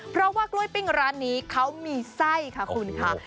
เพราะว่ากล้วยปิ้งร้านนี้เขามีไส้ค่ะคุณค่ะ